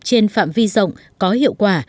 trên phạm vi rộng có hiệu quả